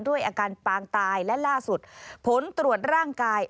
ด้วยอาการปางตายและล่าสุดผลตรวจร่างกาย